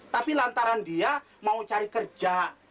tapi lantaran dia mau cari kerja